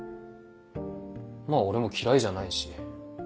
まぁ俺も嫌いじゃないし。